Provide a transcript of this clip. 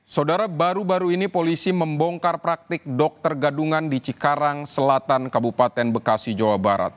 saudara baru baru ini polisi membongkar praktik dokter gadungan di cikarang selatan kabupaten bekasi jawa barat